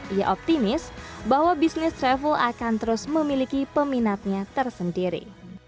ia optimis bahwa bisnis travel akan terus memiliki peminatnya tersendiri